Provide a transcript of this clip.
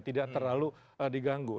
tidak terlalu diganggu